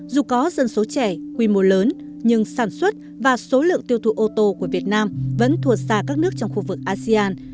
dù có dân số trẻ quy mô lớn nhưng sản xuất và số lượng tiêu thụ ô tô của việt nam vẫn thua xa các nước trong khu vực asean